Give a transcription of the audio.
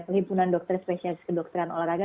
penghimpunan dokter spesialis kedokteran olahraga